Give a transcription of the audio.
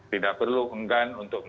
tidak perlu enggan untuk